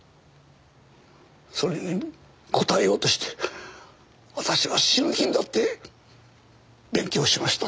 それに応えようとして私は死ぬ気になって勉強しました。